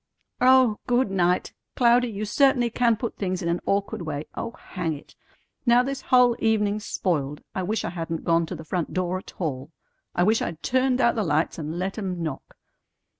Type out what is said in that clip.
"Oh, good night! Cloudy, you certainly can put things in an awkward way. Oh, hang it! Now this whole evening's spoiled. I wish I hadn't gone to the front door at all. I wish I'd turned out the lights and let 'em knock.